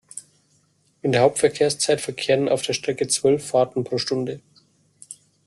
In der Hauptverkehrszeit verkehren auf der Strecke zwölf Fahrten pro Stunde.